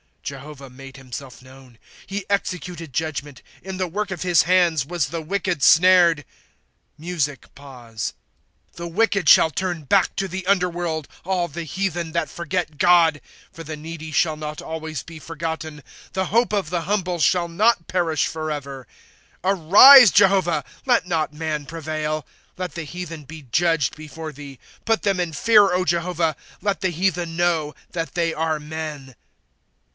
^'^ Jehovah made himself known ; he executed judgment ; In the work of his hands was the wicked snared. (Music Pause.) ^' The wicked shall turn back, to the underworld, All the heathen that forget God. 18 For the needy shall not always be forgotten ; The hope of the humble shall not perish forever. '^ Arise, Jehovah ! Let not man prevail ; Let the heathen be judged before thee, ^" Put them in fear, Jehovah ; Let the heathen know that they are men.